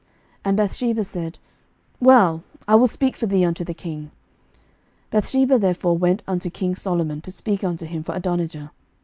11:002:018 And Bathsheba said, Well; I will speak for thee unto the king. 11:002:019 Bathsheba therefore went unto king Solomon, to speak unto him for Adonijah.